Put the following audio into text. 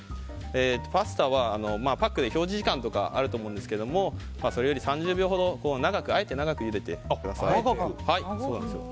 パスタはパックで表示時間とかあると思うんですけどそれより３０秒ほどあえて長くゆでてください。